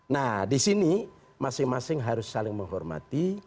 nah di sini masing masing harus saling menghormati